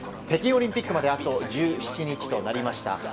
北京オリンピックまであと１７日となりました。